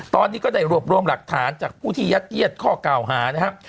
ตอนนี้ก็ได้รวบรวมหลักฐานจากผู้ที่ยัดเยียดข้อกล่าวหานะครับ